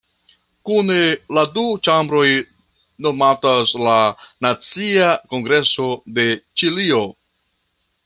Kune la du ĉambroj nomatas la "Nacia Kongreso de Ĉilio".